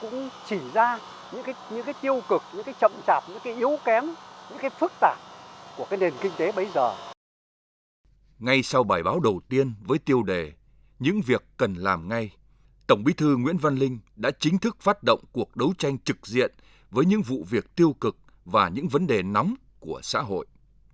ngay sau bài báo đầu tiên với tiêu đề những việc cần làm ngay tổng bí thư nguyễn văn linh đã chính thức phát động cuộc đấu tranh trực diện với những vụ việc tiêu cực và những vấn đề nóng của xã hội